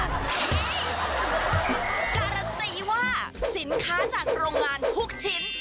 การันตีว่าสินค้าจากโรงงานทุกชิ้น